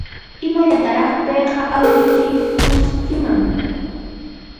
¿Imallataraqa payqa awniykishunkiman?